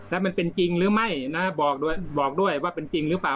แล้วมันเป็นจริงหรือไม่นะบอกด้วยบอกด้วยว่าเป็นจริงหรือเปล่า